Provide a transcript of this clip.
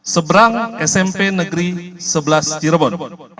seberang smp negeri sebelas cirebon